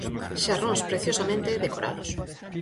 Xarróns preciosamente decorados.